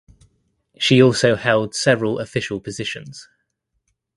She also held several official positions.